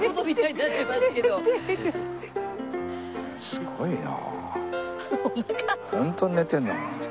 すごいな。